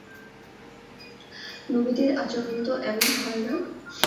নবীদের আচরণ তো এমন হয় না।